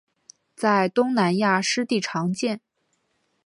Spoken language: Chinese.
在东南亚湿地常见。